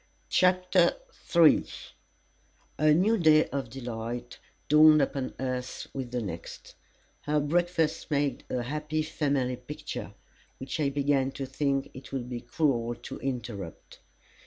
CHAPTER III A new day of delight dawned upon us with the next. Our breakfast made a happy family picture, which I began to think it would be cruel to interrupt.